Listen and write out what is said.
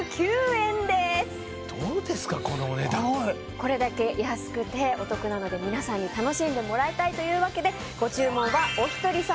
これだけ安くてお得なので皆さんに楽しんでもらいたいというわけでご注文は。